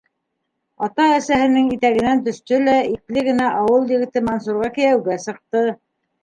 Ата-әсәһенең итәгенән төштө лә ипле генә ауыл егете Мансурға кейәүгә сыҡты.